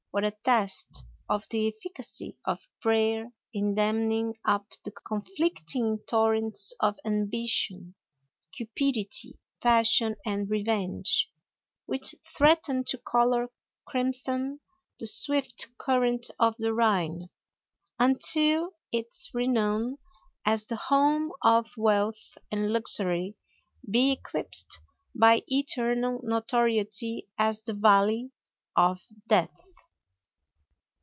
What a test of the efficacy of prayer in damming up the conflicting torrents of ambition, cupidity, passion, and revenge, which threaten to color crimson the swift current of the Rhine, until its renown as the home of wealth and luxury be eclipsed by eternal notoriety as the Valley of Death!